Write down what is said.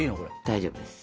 大丈夫です。